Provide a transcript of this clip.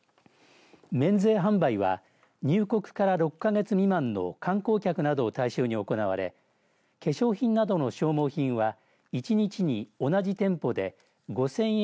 免税販売は入国から６か月未満の観光客などを対象に行われ化粧品などの消耗品は１日に同じ店舗で５０００円